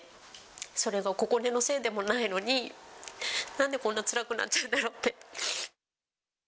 それがここねのせいでもないのに、なんでこんなつらくなっちゃうんだろうって。